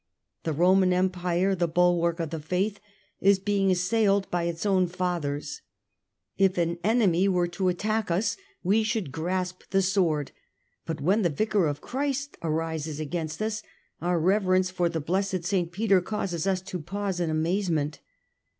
The Roman Empire, the bulwark of the Faith, is being assailed by its own fathers. If an enemy were to attack us we should grasp the sword ; but when the Vicar of Christ arises against us, our reverence for the blessed St. Peter causes us to pause in amazement.